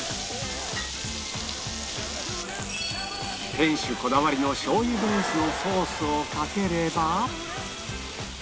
店主こだわりのしょう油ベースのソースをかければ